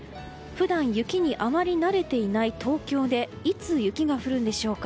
普段、雪にあまり慣れていない東京でいつ雪が降るんでしょうか。